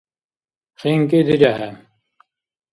ХинкӀи дирехӀе.